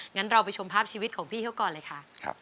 งั้นเราไปชมภาพชีวิตของพี่เขาก่อนเลยค่ะ